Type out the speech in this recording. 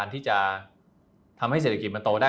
ที่จะทำให้เศรษฐกิจมันโตได้